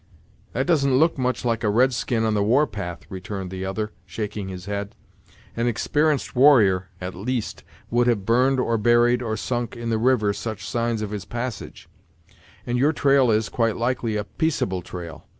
"That doesn't look much like a red skin on the war path!" returned the other, shaking his head. "An exper'enced warrior, at least, would have burned, or buried, or sunk in the river such signs of his passage; and your trail is, quite likely, a peaceable trail.